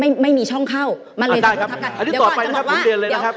ไม่ไม่มีช่องเข้ามันแล้วจะบอกว่านะครับผมเรียนเลยนะครับ